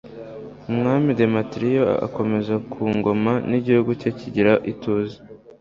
umwami demetiriyo akomera ku ngoma, n'igihugu cye kigira ituze